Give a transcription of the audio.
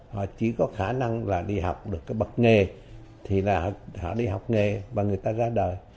họ chỉ có khả năng là đi học được cái bậc nghề thì là họ đi học nghề và người ta ra đời